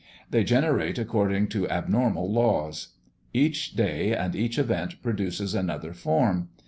They generate according to abnormal laws. Each day and each event produces another form.